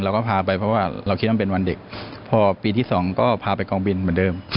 เราก็พาไปเพราะว่าเราคิดว่ามันเป็นวันเด็กพอปีที่สองก็พาไปกองบินเหมือนเดิม